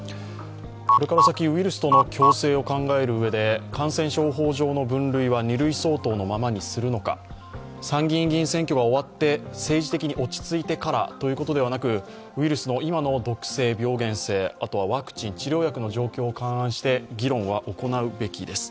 これから先、ウイルスとの共生を考えるうえで感染症法上は二類相当のままにするのか参議院議員選挙が終わって落ち着いてからにするのか、ウイルスの今の特性、病原性、ワクチン、治療薬の状況を勘案して議論は行うべきです。